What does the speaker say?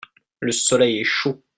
le soleil est chaud.